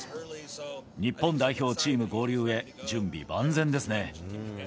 日本代表チーム合流へ準備万全ですね。